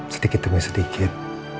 sedikit demi sedikit